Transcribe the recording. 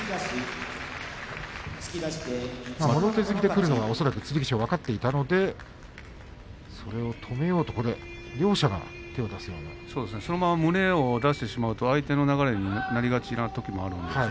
もろ手突きでくるのは恐らく剣翔、分かっていたのでそれを止めようと両者がそのまま胸を出してしまうと相手の流れになりがちなところがあります。